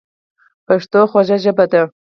پښتو خوږه ژبه ده